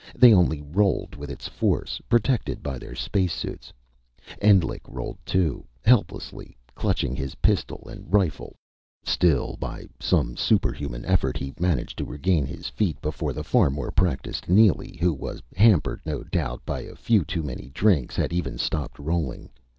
They only rolled with its force, protected by their space suits. Endlich rolled, too, helplessly, clutching his pistol and rifle: still, by some superhuman effort, he managed to regain his feet before the far more practiced Neely, who was hampered, no doubt, by a few too many drinks, had even stopped rolling.